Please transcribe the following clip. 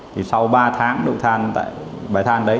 thì sau ba tháng đu than tại bài than đấy